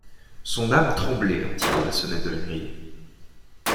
Son âme tremblait en tirant la sonnette de la grille.